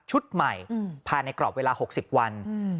ชุดใหม่อืมผ่านในกรอบเวลาหกสิบวันอืม